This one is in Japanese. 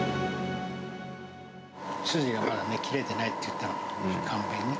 筋がまだね、切れてないって言ったの、完全に。